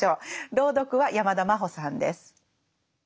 朗読は山田真歩さんです。